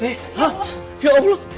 hah ya allah